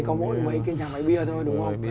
có mỗi mấy cái nhà máy bia thôi đúng không